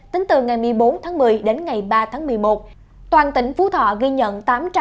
tính từ ngày một mươi bốn tháng một mươi đến ngày ba tháng một mươi một toàn tỉnh phú thọ ghi nhận